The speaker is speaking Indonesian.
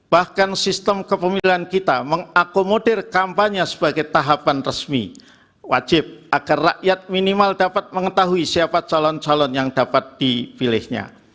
bahkan sistem kepemilian kita mengakomodir kampanye sebagai tahapan resmi wajib agar rakyat minimal dapat mengetahui siapa calon calon yang dapat dipilihnya